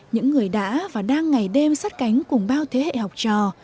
những người đã và đang ngày đêm sát cánh cùng bao thế hệ học trò